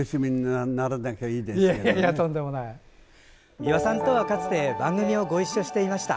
美輪さんとは、かつて番組をご一緒していました。